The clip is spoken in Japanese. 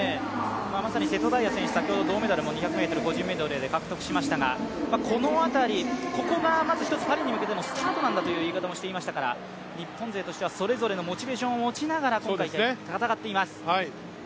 まさに瀬戸大也選手、銅メダルも２００ｍ個人メドレーで獲得しましたがこの辺り、ここがまずパリに向けてのスタートなんだという言い方をしていましたから日本勢としてはそれぞれのモチベーションを持ちながら今大会、戦っています。